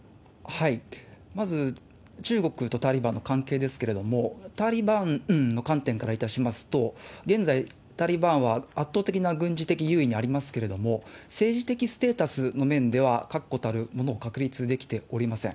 まず中国とタリバンの関係ですけれども、タリバンの観点からいたしますと、現在、タリバンは圧倒的な軍事的優位にありますけれども、政治的ステータスの面では確固たるものを確立できておりません。